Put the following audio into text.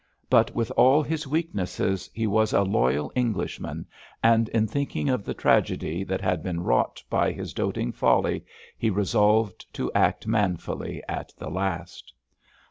But with all his weaknesses he was a loyal Englishman, and in thinking of the tragedy that had been wrought by his doting folly, he resolved to act manfully at the last.